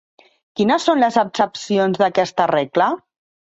Quines són les excepcions d'aquesta regla?